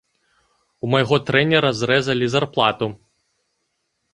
У майго трэнера зрэзалі зарплату.